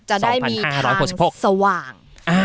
จะได้มี๑๖๖สว่าง